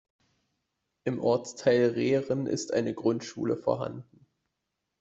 Im Ortsteil Rehren ist eine Grundschule vorhanden.